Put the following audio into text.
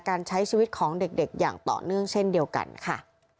การใช้ชีวิตของเด็กอย่างต่อเนื่องเช่นเดียวกันค่ะ